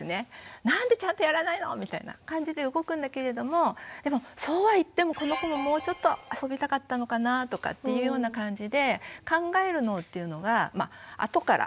「なんでちゃんとやらないの」みたいな感じで動くんだけれどもでもそうは言っても「この子ももうちょっと遊びたかったのかな」とかっていうような感じで考える脳っていうのが後から動いてくるらしいんですよね。